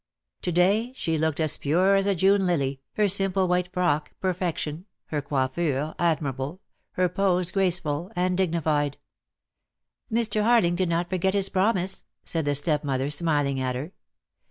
To day she looked as pure as a June lily, her simple white frock perfection, her coiffure admirable, her pose graceful and dignified. "Mr. Harling did not forget his promise," said the stepmother, smiling at her.